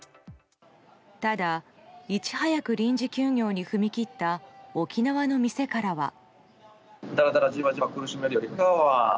ただ、いち早く臨時休業に踏み切った沖縄の店からは。